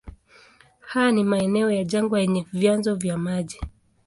Haya ni maeneo ya jangwa yenye vyanzo vya maji.